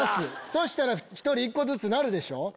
そしたら１人一個ずつになるでしょ。